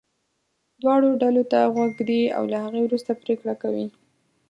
دواړو ډلو ته غوږ ږدي او له هغې وروسته پرېکړه کوي.